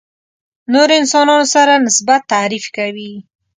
نورو انسانانو سره نسبت تعریف کوي.